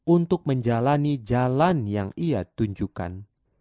untuk menjalani jalan yang ia tunjukkan